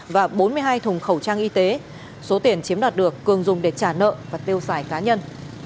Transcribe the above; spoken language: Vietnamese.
và bốn mươi hai thùng khẩu trang y tế số tiền chiếm đoạt được cường dùng để trả nợ và tiêu xài cá nhân